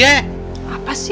ya pak haji